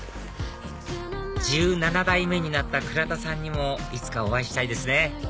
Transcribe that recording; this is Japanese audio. １７代目になった倉田さんにもいつかお会いしたいですね